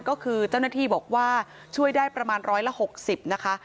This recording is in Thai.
ก็คือเจ้าหน้าที่บอกว่าช่วยได้ประมาณร้อยละ๖๐นะคะ